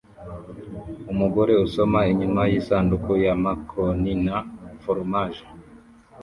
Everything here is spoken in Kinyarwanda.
Umugore usoma inyuma yisanduku ya macaroni na foromaje